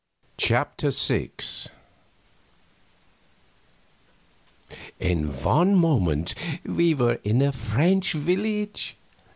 CHAPTER VI In a moment we were in a French village.